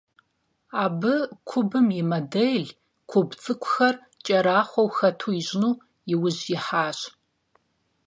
Абы кубым и модель, куб цIыкIухэр кIэрахъуэу хэту ищIыну и ужь ихьащ.